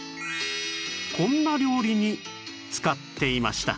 こんな料理に使っていました